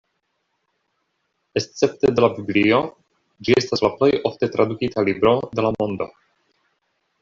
Escepte de la Biblio, ĝi estas la plej ofte tradukita libro de la mondo.